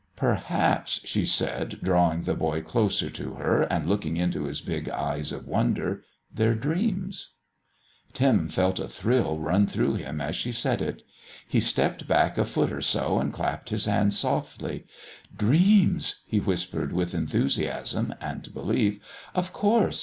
"Perhaps," she said, drawing the boy closer to her and looking into his big eyes of wonder, "they're dreams!" Tim felt a thrill run through him as she said it. He stepped back a foot or so and clapped his hands softly. "Dreams!" he whispered with enthusiasm and belief; "of course!